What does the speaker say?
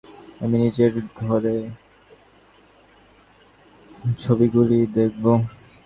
আমি নিজের ঘরে বসে সময় নিয়ে ছবিগুলি দেখব।